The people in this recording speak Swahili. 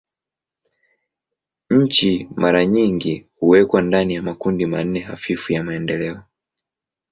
Nchi mara nyingi huwekwa ndani ya makundi manne hafifu ya maendeleo.